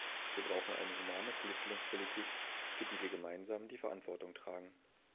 Wir brauchen eine humane Flüchtlingspolitik, für die wir gemeinsam die Verantwortung tragen.